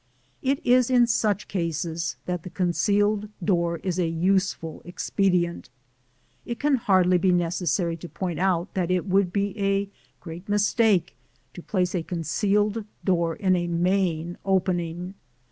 It is in such cases that the concealed door is a useful expedient. It can hardly be necessary to point out that it would be a great mistake to place a concealed door in a main opening.